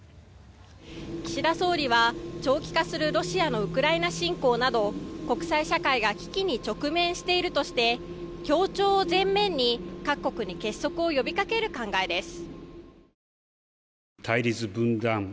岸田総理は、長期化するロシアのウクライナ侵攻など国際社会が危機に直面しているとして協調を前面に各国に結束を呼びかける考えです。